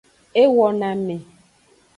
E wo na ame.